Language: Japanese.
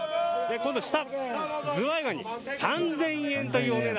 今度、ズワイガニ３０００円というお値段。